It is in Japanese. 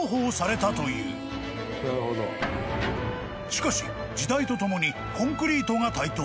［しかし時代とともにコンクリートが台頭］